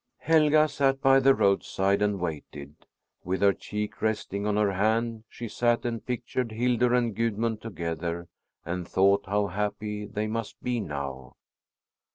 Helga sat by the roadside and waited. With her cheek resting on her hand, she sat and pictured Hildur and Gudmund together and thought how happy they must be now.